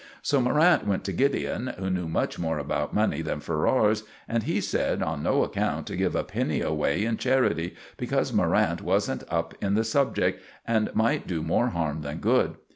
So Morrant went to Gideon, who knew much more about money than Ferrars, and he said on no account to give a penny away in charity, because Morrant wasn't up in the subject, and might do more harm than good.